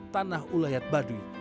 tanah ulayat baduy